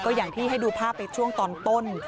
อย่างที่ให้ดูภาพไปช่วงตอนต้น